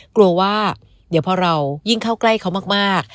กลัวว่าเดี๋ยวพอเรายิ่งเข้าใกล้เขามาก